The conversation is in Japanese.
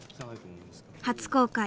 初公開